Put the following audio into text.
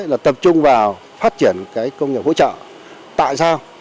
là tập trung vào phát triển cái công nghiệp hỗ trợ tại sao